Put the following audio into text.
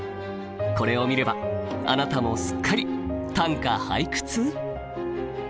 これを見ればあなたもすっかり短歌・俳句通！？